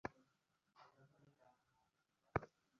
বাইরে অপবিত্রতা থাকতে পারে, কিন্তু আমাদের পক্ষে তার অস্তিত্ব থাকবে না।